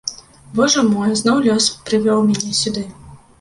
Божа мой, зноў лёс прывёў мяне сюды!